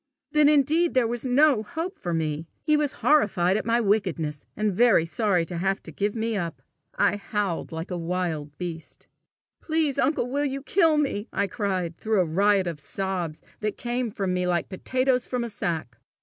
Then indeed there was no hope for me! He was horrified at my wickedness, and very sorry to have to give me up! I howled like a wild beast. "Please, uncle, will you kill me!" I cried, through a riot of sobs that came from me like potatoes from a sack.